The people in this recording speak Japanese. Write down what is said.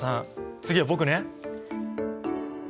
次は僕ね。